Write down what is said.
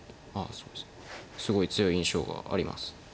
すごい強い印象があります。